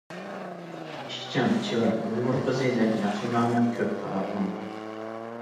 ئىشچان، چېۋەر ئۇيغۇر قىزى دەپ، ياخشى نامىڭ كۆپ تارالغاندا.